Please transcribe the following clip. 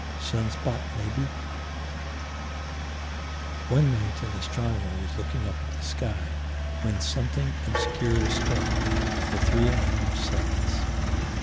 Sun spot, maybe. One night an astronomer was looking up at the sky, when something obscured a star, for three and a half seconds.